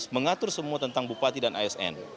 mengatur semua tentang bupati dan asn